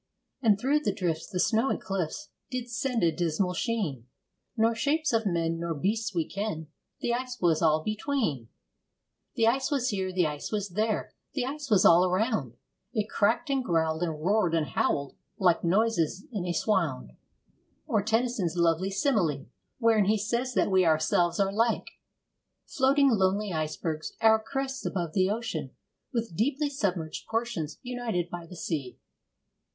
And through the drifts, the snowy clifts Did send a dismal sheen, Nor shapes of men, nor beasts we ken. The ice was all between. The ice was here, the ice was there, The ice was all around, It cracked and growled, and roared and howled, Like noises in a swound. Or Tennyson's lovely simile, wherein he says that we ourselves are like Floating lonely icebergs, our crests above the ocean, With deeply submerged portions united by the sea.